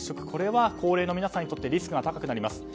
これは高齢の皆さんにとってリスクが高くなります。